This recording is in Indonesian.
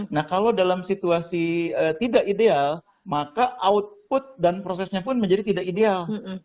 nah kalau dalam situasi tidak ideal maka output dan prosesnya pun menjadi tidak ideal